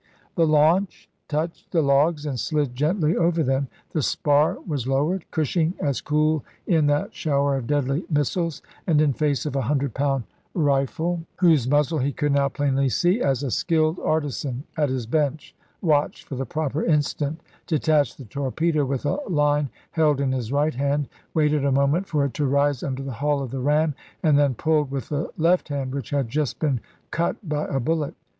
The launch touched the logs and slid gently over them; the spar was lowered ; Cushing, as cool in that shower of deadly missiles, and in face of a hundred pound rifle, COMMANDER WILLIAM B. CUSHING. THE ALBEMARLE 49 whose muzzle he could now plainly see, as a skilled chap.ii. artisan at his bench, watched for the proper instant, detached the torpedo with a line held in his right hand, waited a moment for it to rise under the hull of the ram, and then pulled with the left oct.27,1864. hand, which had just been cut by a bullet.